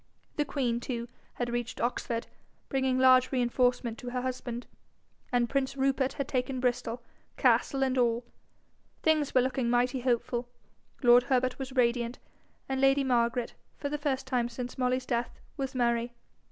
The queen, too, had reached Oxford, bringing large reinforcement to her husband, and prince Rupert had taken Bristol, castle and all. Things were looking mighty hopeful, lord Herbert was radiant, and lady Margaret, for the first time since Molly's death, was merry.